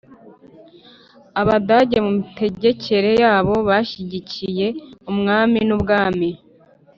Abadage, mu mitegekere yabo, bashyigikiye umwami n'ubwami